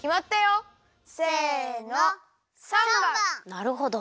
なるほど。